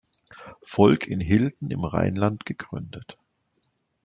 Volk in Hilden im Rheinland gegründet.